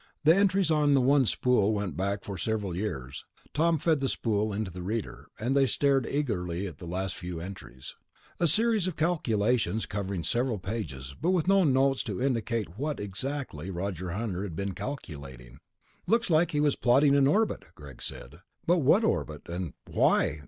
The entries on the one spool went back for several years. Tom fed the spool into the reader, and they stared eagerly at the last few entries. A series of calculations, covering several pages, but with no notes to indicate what, exactly, Roger Hunter had been calculating. "Looks like he was plotting an orbit," Greg said. "But what orbit? And why?